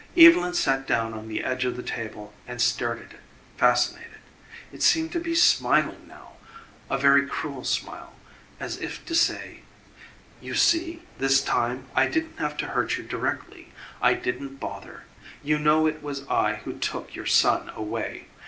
Evylyn sat down on the edge of the table and stared at it fascinated. It seemed to be smiling now, a very cruel smile, as if to say: "You see, this time I didn't have to hurt you directly. I didn't bother. You know it was I who took your son away.